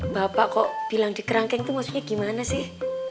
bapak kok bilang di kerangkeng itu maksudnya gimana sih